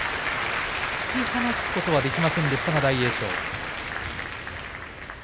突き放すことはできませんでしたが大栄翔。